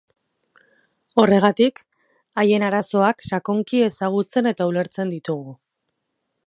Horregatik, haien arazoak sakonki ezagutzen eta ulertzen ditugu.